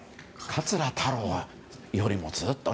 桂太郎よりもずっと。